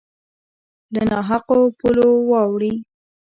له نا حقو پولو واوړي